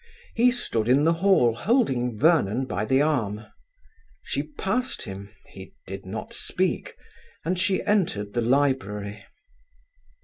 He stood in the Hall, holding Vernon by the arm. She passed him; he did not speak, and she entered the library.